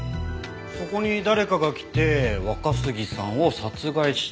そこに誰かが来て若杉さんを殺害した。